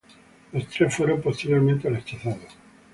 Los tres fueron posteriormente rechazados.